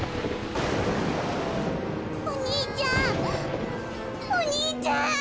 お兄ちゃんお兄ちゃん！